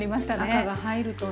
赤が入るとね。